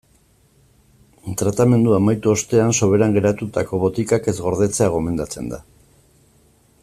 Tratamendua amaitu ostean soberan geratutako botikak ez gordetzea gomendatzen da.